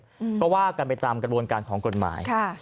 เพราะว่ากันไปตามกระโดนการของกฎหมาย